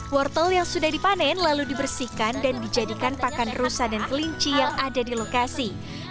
wortel yang sudah dipanen lalu dibersihkan dan dijadikan pakan rusa dan kelinci yang ada di lokasi